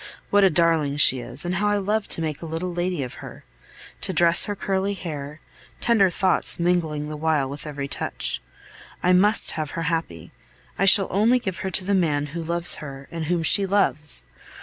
What a darling she is, and how I love to make a little lady of her, to dress her curly hair, tender thoughts mingling the while with every touch! I must have her happy; I shall only give her to the man who loves her and whom she loves.